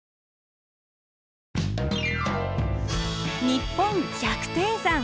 「にっぽん百低山」。